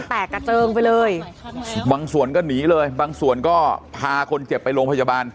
แตกกระเจิงไปเลยบางส่วนก็หนีเลยบางส่วนก็พาคนเจ็บไปโรงพยาบาล